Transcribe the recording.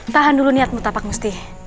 tahan dulu niatmu tapak musti